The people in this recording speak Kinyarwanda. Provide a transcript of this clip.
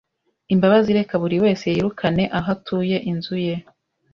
imbabazi Reka buri wese yirukane aho atuye Inzu ye